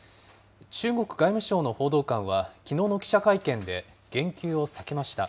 中国外務省の報道官は、きのうの記者会見で言及を避けました。